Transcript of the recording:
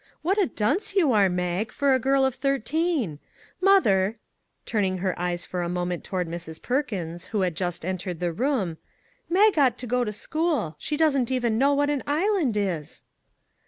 What a dunce you are, Mag, for a girl of thirteen ! Mother," turning her eyes for a moment toward Mrs. Perkins, who had just entered the room, " Mag ought to go to school; she doesn't even know what an island is